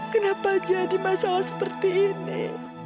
kenapa jadi masalah seperti ini